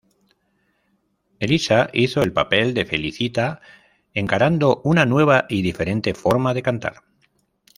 Elisa hizo el papel de Felicita encarando una nueva y diferente forma de cantar.